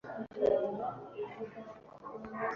Joop Zoetemelk